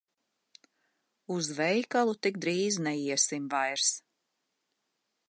Uz veikalu tik drīz neiesim vairs.